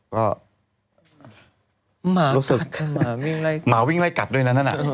ก็รู้สึกหมาวิ่งไล่กัดด้วยนะนั้น